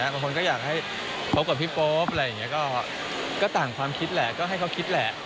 คนเราก็มีความอยากเนอะ